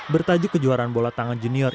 bertajuk kejuaraan bola tangan junior